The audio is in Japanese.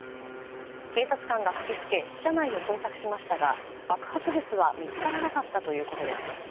警察官が駆け付け支社内を捜索しましたが爆発物は見つからなかったということです。